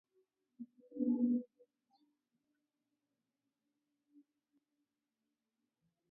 Amebainisha kuwa dhamira yake kwa sasa ni kuwanyanyua wanawake